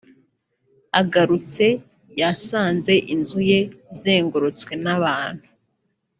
Agarutse yasanze inzu ye izengurutswe n’abantu